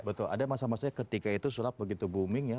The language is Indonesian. betul ada masa masanya ketika itu sulap begitu booming ya